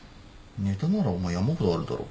ネタならお前山ほどあるだろ？